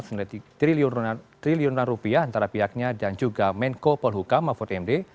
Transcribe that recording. sejauh tiga rupiah antara pihaknya dan juga menko polhukam mafut md